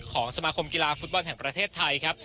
ของสมาคมกีฬาฟุตบอลแห่งประเทศไทยครับ